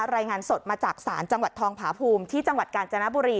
รายงานสดมาจากศาลจังหวัดทองผาภูมิที่จังหวัดกาญจนบุรี